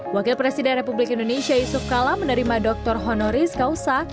wakil presiden republik indonesia yusuf kala menerima doktor honoris causa